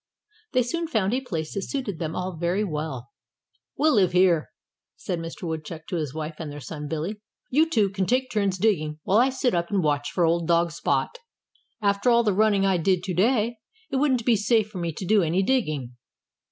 They soon found a place that suited them all very well. "We'll live here," said Mr. Woodchuck to his wife and their son Billy. "You two can take turns digging while I sit up and watch for old dog Spot. After all the running I did to day it wouldn't be safe for me to do any digging."